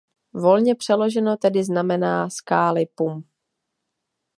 Volně přeloženo tedy znamená „skály pum“.